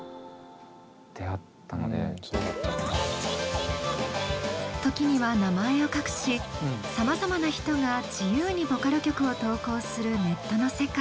何かでその時に時には名前を隠しさまざまな人が自由にボカロ曲を投稿するネットの世界。